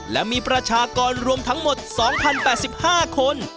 และมีประชากรรวมทั้งหมด๒๐๘๕คน